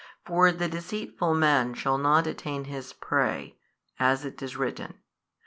For the deceitful man shall not attain his prey, as it is written.